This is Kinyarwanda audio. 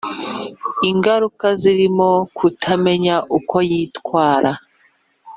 n’ingaruka zirimo kutamenya uko yitwara